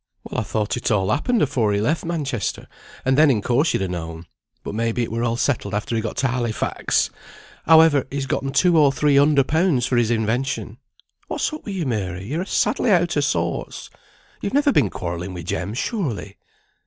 "Well, I thought it all happened afore he left Manchester, and then in course you'd ha' known. But may be it were all settled after he got to Halifax; however, he's gotten two or three hunder pounds for his invention. But what's up with you, Mary? you're sadly out o' sorts. You've never been quarrelling wi' Jem, surely?"